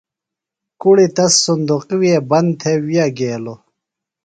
کُڑی تس صُندوقی وے بند تھےۡ ویہ گیلوۡ۔